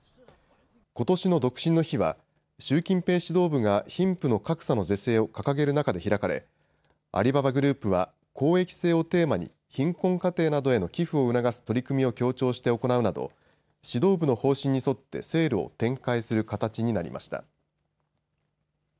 ことしの独身の日は習近平指導部が貧富の格差の是正を掲げる中で開かれアリババグループは公益性をテーマに貧困家庭などへの寄付を促す取り組みを強調して行うなど指導部の方針に沿ってセールを展開する形になりました。